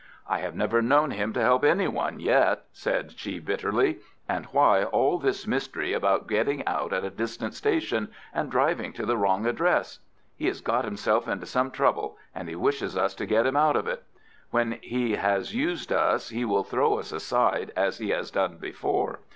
"I have never known him to help any one yet," said she, bitterly. "And why all this mystery about getting out at a distant station and driving to the wrong address? He has got himself into some trouble and he wishes us to get him out of it. When he has used us he will throw us aside as he has done before.